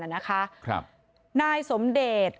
นะครับ